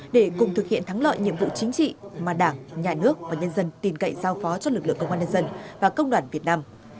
lực lượng công an nhân dân và công đoàn việt nam